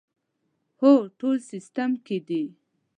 هو، ټول سیسټم کې دي